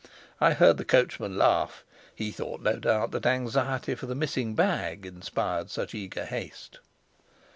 I heard the coachman laugh: he thought, no doubt, that anxiety for the missing bag inspired such eager haste.